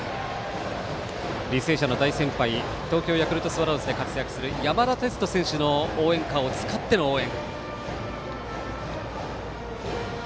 履正社の大先輩東京ヤクルトスワローズで活躍する山田哲人選手の応援歌を使っての応援。